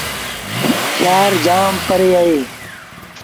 شآهر جآم پري اهي ۔